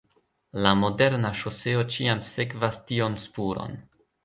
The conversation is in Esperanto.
La moderna ŝoseo ĉiam sekvas tion spuron.